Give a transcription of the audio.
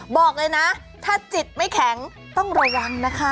บอกเลยนะถ้าจิตไม่แข็งต้องระวังนะคะ